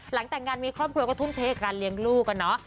หลังแต่งงานมีครอบครัวก็ทุ่มเทกับการเลี้ยงลูกอะเนาะ